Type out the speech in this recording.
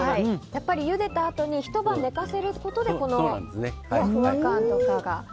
やっぱりゆでたあとにひと晩寝かせることでこのふわふわ感とかが出ると。